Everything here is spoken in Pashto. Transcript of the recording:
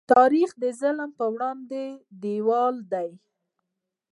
تاریخ د ظلم په وړاندې دیوال دی.